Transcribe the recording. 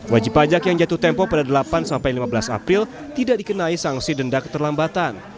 wajib pajak yang jatuh tempo pada delapan lima belas april tidak dikenai sanksi denda keterlambatan